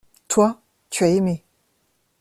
Toi, tu as aimé.